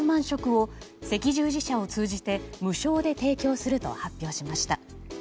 食を赤十字社を通じて無償で提供すると発表しました。